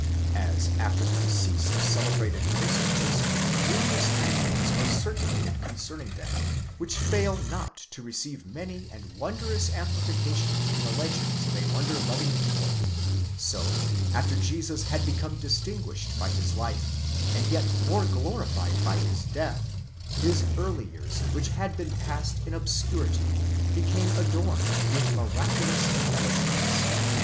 As after the decease of celebrated 'personages, numerous anecdotes are circulated concerning them, which fail 'not to receive many and wondrous amplifications in the legends of a wonder Joving people ; so, after Jesus had become distinguished by his life, and yet smore glorified by his death, his early years, which had been passed in obscurity, became adorned with miraculous embellishments.